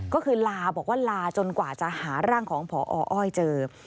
ก็คือลาบอกว่าลาจนกว่าจะหาร่างของพออ้อยเจอ